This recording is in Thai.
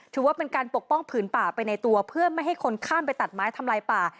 ถือว่าเป็นการปกป้องผืนป่าไปในตัวเพื่อไม่ให้คนข้ามไปตัดไม้ทำลายป่า